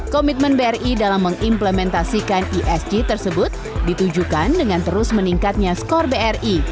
komitmen bri dalam mengimplementasikan esg tersebut ditujukan dengan terus meningkatnya skor bri